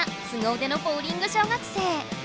うでのボウリング小学生！